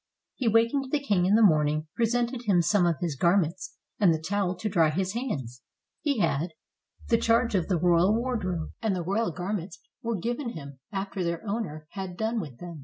He wakened the king in the morning, presented him some of his garments and the towel to dry his hands. He had 522 SPANISH HOME LIFE the charge of the royal wardrobe; and the royal gar ments were given him after their owner had done with them.